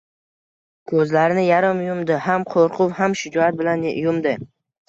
Ko‘zlarini yarim yumdi. Ham qo‘rquv, ham shijoat bilan yumdi.